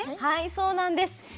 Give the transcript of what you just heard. はいそうなんです。